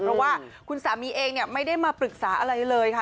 เพราะว่าคุณสามีเองไม่ได้มาปรึกษาอะไรเลยค่ะ